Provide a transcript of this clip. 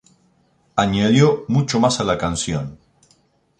Añadió mucho más a la canción".